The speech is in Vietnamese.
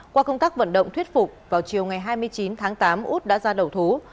qua công tác vận động thuyết phục vào chiều ngày hai mươi chín tháng tám út đã ra đầu thú